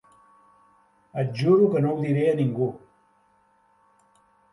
Et juro que no ho diré a ningú.